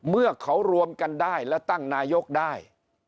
เมื่อเขารวมกันได้และตั้งนายกได้